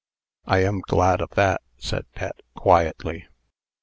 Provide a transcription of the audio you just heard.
"I am glad of that," said Pet, quietly.